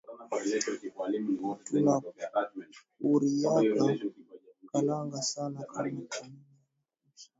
Tuna kuriaka kalanga sana kama tunenda ku mashamba